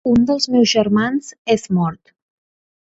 Un dels meus germans és mort.